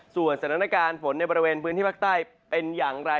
ส่วนสถานการณ์ฝนในบริเวณพื้นที่ภาคใต้เป็นอย่างไร